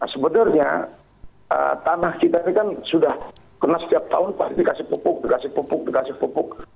sebenarnya tanah kita ini kan sudah karena setiap tahun pasti dikasih pupuk dikasih pupuk dikasih pupuk